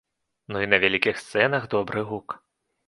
Ну, і на вялікіх сцэнах добры гук.